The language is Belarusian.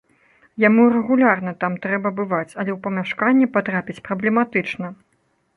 Яму рэгулярна там трэба бываць, але ў памяшканне патрапіць праблематычна.